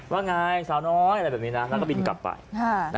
ว่าไงสาวน้อยอะไรแบบนี้นะแล้วก็บินกลับไป